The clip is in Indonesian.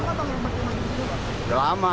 ini sudah lama atau memang sudah lama